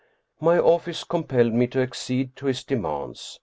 My office compelled me to accede to his demands.